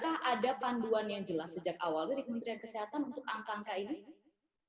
apakah ada panduan yang jelas sejak awal dari kementerian kesehatan untuk angka angka ini